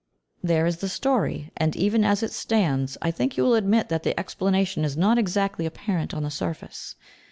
There is the story, and, even as it stands, I think you will admit that the explanation is not exactly apparent on the surface.